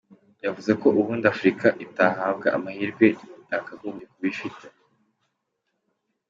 Yavuze ko ubundi Afurika itahabwaga amahirwe yakagombye kuba ifite.